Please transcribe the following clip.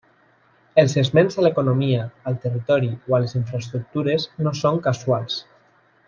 Els esments a l'economia, al territori o a les infraestructures no són casuals.